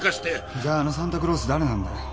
じゃあのサンタクロース誰なんだよ？